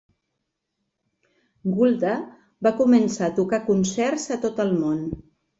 Gulda va començar a tocar concerts a tot el món.